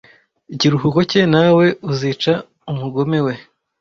Ikiruhuko cye - nawe uzica umugome we.